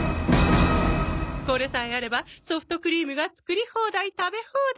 これさえあればソフトクリームが作り放題食べ放題！